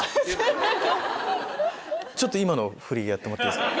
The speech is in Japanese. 今の振りやってもらっていいですか？